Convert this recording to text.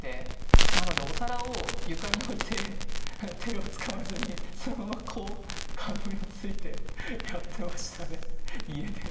なのでお皿を床に置いて手を使わずにそのままこうかぶりついてやってましたね家で。